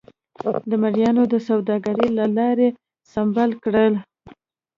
د مریانو د سوداګرۍ له لارې سمبال کړل.